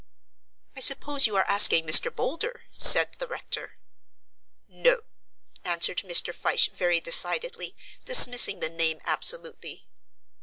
"I suppose you are asking Mr. Boulder," said the rector. "No," answered Mr. Fyshe very decidedly, dismissing the name absolutely.